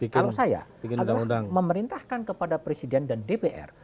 kalau saya adalah memerintahkan kepada presiden dan dpr